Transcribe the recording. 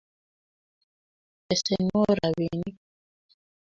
pesenwo robinik